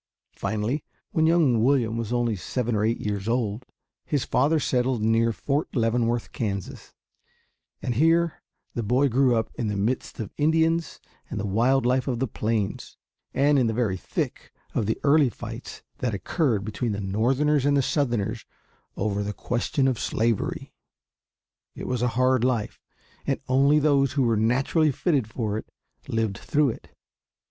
Finally, when young William was only seven or eight years old, his father settled near Fort Leavenworth, Kansas, and here the boy grew up in the midst of Indians and the wild life of the plains, and in the very thick of the early fights that occurred between the Northerners and Southerners over the question of slavery. It was a hard life and only those who were naturally fitted for it lived through it.